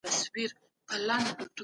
ناسم خوراک وزن زیاتوي.